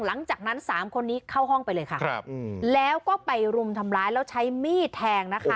หลังจากนั้นสามคนนี้เข้าห้องไปเลยค่ะครับแล้วก็ไปรุมทำร้ายแล้วใช้มีดแทงนะคะ